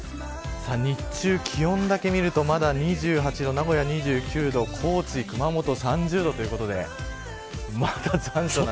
日中気温だけ見るとまだ２８度名古屋２９度高知、熊本３０度ということでまだ残暑なんですね。